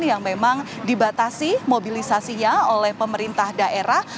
yang memang dibatasi mobilisasinya oleh pemerintah daerah